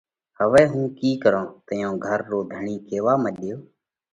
هوَئہ هُون ڪِي ڪرون؟ تئيون گھر رو ڌڻِي ڪيوا مڏيو۔